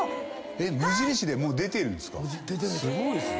無印でもう出てるんですか